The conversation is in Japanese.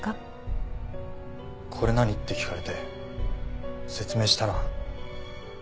「これ何？」って聞かれて説明したら。